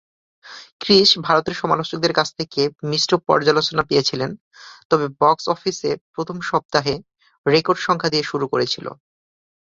কৃষ ভারতের সমালোচকদের কাছ থেকে মিশ্র পর্যালোচনা পেয়েছিলেন, তবে বক্স অফিসে প্রথম সপ্তাহে রেকর্ড সংখ্যা দিয়ে শুরু করেছিল।